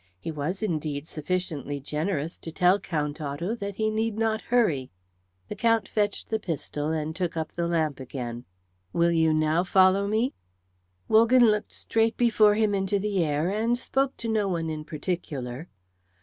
He was indeed sufficiently generous to tell Count Otto that he need not hurry. The Count fetched the pistol and took up the lamp again. "Will you now follow me?" Wogan looked straight before him into the air and spoke to no one in particular.